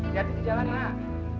jadi di jalan pak